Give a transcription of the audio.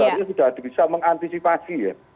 artinya sudah bisa mengantisipasi ya